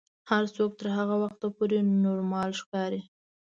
هر څوک تر هغه وخته پورې نورمال ښکاري.